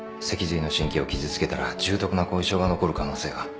脊髄の神経を傷つけたら重篤な後遺症が残る可能性が。